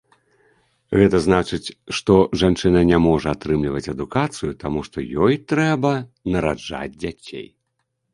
Гэта значыць, што жанчына не можа атрымліваць адукацыю, таму што ёй трэба нараджаць дзяцей.